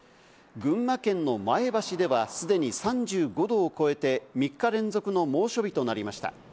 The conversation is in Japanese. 群馬県の前橋ではすでに３５度を超えて、３日連続の猛暑日となりました。